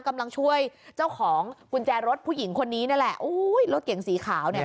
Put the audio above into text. กำลังช่วยเจ้าของกุญแจรถผู้หญิงคนนี้นั่นแหละโอ้ยรถเก๋งสีขาวเนี่ย